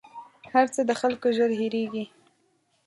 هر څه د خلکو ژر هېرېـږي